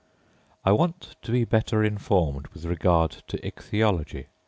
I want to be better informed with regard to ichthyology.